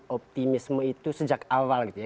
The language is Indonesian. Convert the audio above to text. optimisme itu sejak awal gitu ya